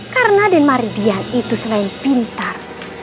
karena denmar dian itu selain pintar